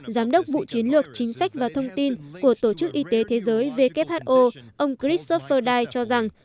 giám đốc bộ chiến lược chính sách và thông tin của tổ chức y tế thế giới who ông christopher dye cho rằng